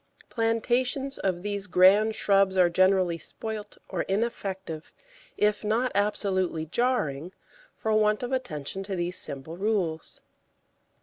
Plantations of these grand shrubs are generally spoilt or ineffective, if not absolutely jarring, for want of attention to these simple rules.